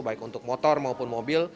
baik untuk motor maupun mobil